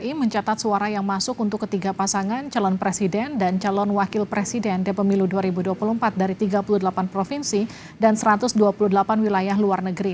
pdi mencatat suara yang masuk untuk ketiga pasangan calon presiden dan calon wakil presiden di pemilu dua ribu dua puluh empat dari tiga puluh delapan provinsi dan satu ratus dua puluh delapan wilayah luar negeri